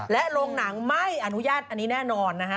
และโรงหนังไม่อนุญาตอันนี้แน่นอนนะฮะ